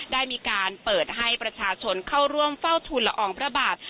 ได้มีการเปิดให้ประชาชนเข้าร่วมเฝ้าทุนละอองพระบาท